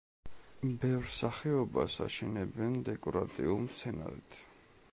ბევრ სახეობას აშენებენ დეკორატიულ მცენარედ.